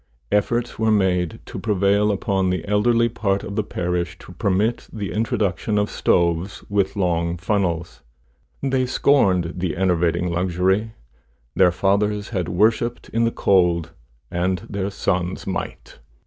Efforts were made to prevail upon the elderly part of the parish to permit the introduction of stoves with long funnels. They scorned the enervating luxury! Their fathers had worshipped in the cold, and their sons might.